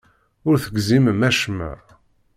Ur tegzimem acemma.